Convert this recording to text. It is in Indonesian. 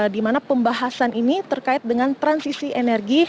di mana pembahasan ini terkait dengan transisi energi